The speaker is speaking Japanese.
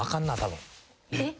えっ？